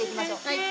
はい。